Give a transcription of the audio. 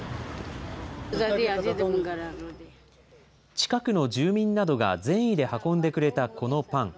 近くの住民などが善意で運んでくれたこのパン。